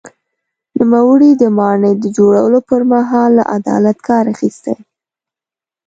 نوموړي د ماڼۍ د جوړولو پر مهال له عدالت کار اخیستی.